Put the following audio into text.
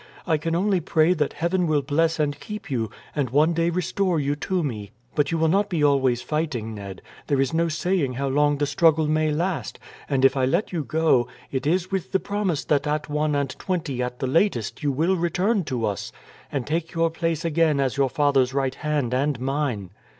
I can only pray that heaven will bless and keep you, and one day restore you to me. But you will not be always fighting, Ned. There is no saying how long the struggle may last; and if I let you go, it is with the promise that at one and twenty at the latest you will return to us, and take your place again as your father's right hand and mine."